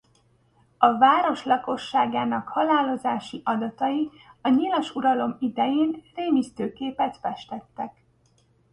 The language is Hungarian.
A város lakosságának halálozási adatai a nyilas uralom idején rémisztő képet festettek.